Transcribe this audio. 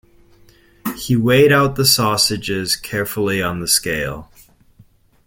He weighed out the sausages carefully on the scale.